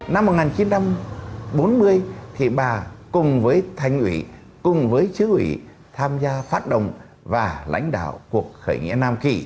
năm một nghìn chín trăm bốn mươi thì bà cùng với thành ủy cùng với chứ ủy tham gia phát động và lãnh đạo cuộc khởi nghĩa nam kỳ